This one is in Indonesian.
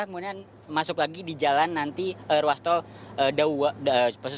kemudian masuk lagi di jalan nanti ruas tol dauwara